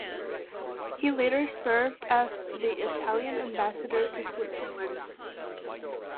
He later served as the Italian ambassador to Switzerland.